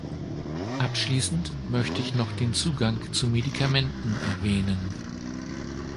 Abschließend möchte ich noch den Zugang zu Medikamenten erwähnen.